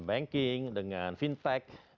banking dengan fintech